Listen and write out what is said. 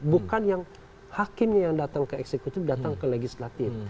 bukan yang hakimnya yang datang ke eksekutif datang ke legislatif